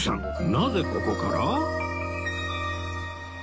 なぜここから？